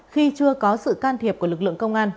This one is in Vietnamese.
khi chưa có sự can thiệp của lực lượng công an